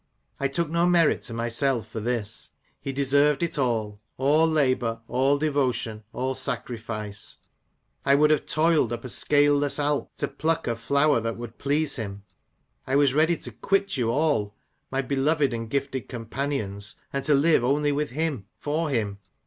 I took no merit to myself for this. He deserved it all— all labour, all devotion, all sacrifice ; I would have toiled up a scaleless Alp, to pluck a flower that would please him. I was ready to quit you all, my beloved and gifted companions, and to live only with him, for him.